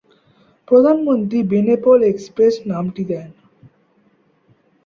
প্রধানমন্ত্রী বেনাপোল এক্সপ্রেস নামটি দেন।